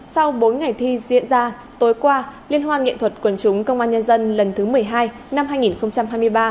sau bốn ngày thi diễn ra tối qua liên hoan nghệ thuật quần chúng công an nhân dân lần thứ một mươi hai năm hai nghìn hai mươi ba